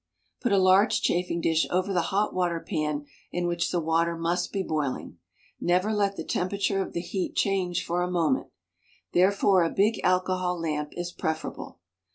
Put a large chafing dish over the hot water pan in which the water must be boiling. Never let the tempera ture of the heat change for a moment; therefore a big alcohol lamp is preferable.